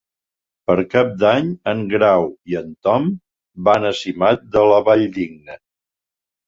Per Cap d'Any en Grau i en Tom van a Simat de la Valldigna.